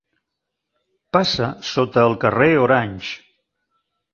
Passa sota el carrer Orange.